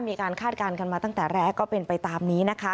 คาดการณ์กันมาตั้งแต่แรกก็เป็นไปตามนี้นะคะ